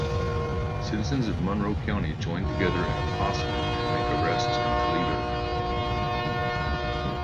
Citizens of Monroe County joined together in a posse to make arrests in Toledo.